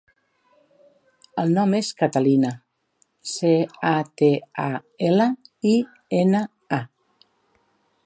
El nom és Catalina: ce, a, te, a, ela, i, ena, a.